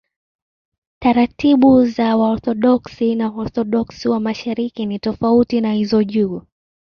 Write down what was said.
Taratibu za Waorthodoksi na Waorthodoksi wa Mashariki ni tofauti na hizo juu.